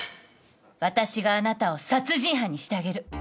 私があなたを殺人犯にしてあげる。